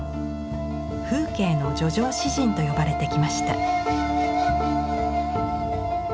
「風景の叙情詩人」と呼ばれてきました。